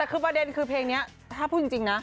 แต่คือประเด็นคือเพลงนี้ถ้าพูดจริงนะ